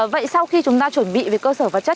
vậy sau khi chúng ta chuẩn bị về cơ sở vật chất